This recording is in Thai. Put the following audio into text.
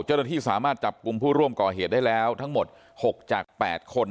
เจ้าหน้าที่สามารถจับกลุ่มผู้ร่วมก่อเหตุได้แล้วทั้งหมด๖จาก๘คน